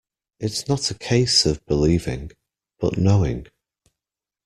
It's not a case of believing, but knowing.